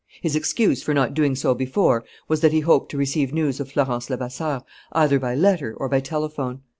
His excuse for not doing so before was that he hoped to receive news of Florence Levasseur either by letter or by telephone.